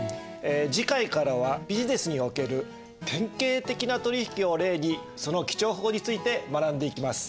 次回からはビジネスにおける典型的な取引を例にその記帳法について学んでいきます。